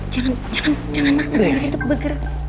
jangan jangan jangan maksudnya itu bergerak